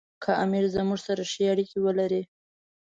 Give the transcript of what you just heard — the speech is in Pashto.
که امیر زموږ سره ښې اړیکې ولري.